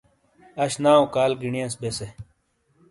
اَش ناؤ کال گینیس بے سے۔